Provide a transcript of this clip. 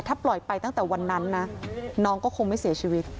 ถ้าปล่อยไปตั้งแต่วันนั้นนะน้องก็คงไม่เสียชีวิต